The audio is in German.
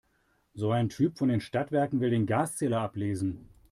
So ein Typ von den Stadtwerken will den Gaszähler ablesen.